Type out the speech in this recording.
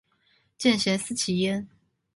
见贤思齐焉